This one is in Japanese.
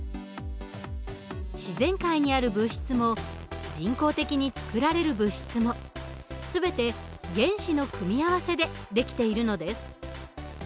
自然界にある物質も人工的に作られる物質も全て原子の組み合わせでできているのです。